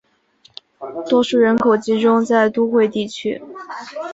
多数人口集中在都会地区。